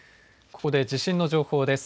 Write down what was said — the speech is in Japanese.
ここで地震の情報です。